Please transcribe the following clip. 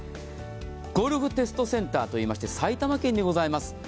ゴルフテストセンターといいまして埼玉県にございます。